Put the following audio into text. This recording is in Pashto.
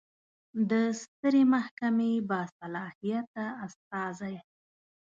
د سترې محکمې باصلاحیته استازی